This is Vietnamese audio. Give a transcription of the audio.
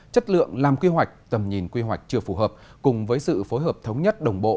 chất lượng làm quy hoạch tầm nhìn quy hoạch chưa phù hợp cùng với sự phối hợp thống nhất đồng bộ